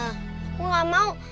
aku gak mau